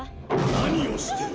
何をしてる？